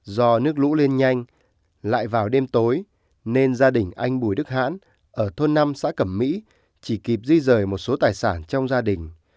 do nước lũ lên nhanh lại vào đêm tối nên gia đình anh bùi đức hãn ở thôn năm xã cẩm mỹ chỉ kịp di rời một số tài sản trong gia đình